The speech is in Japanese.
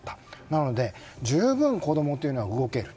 なので十分子供というのは動ける。